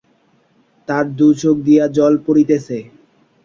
তার দুচোখ দিয়া জল পড়িতেছে।